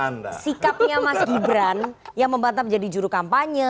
nah sikapnya mas gibran yang membantah menjadi juru kampanye